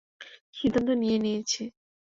সিদ্ধান্ত নিয়ে নিয়েছি।